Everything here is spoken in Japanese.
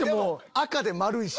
赤で丸いし。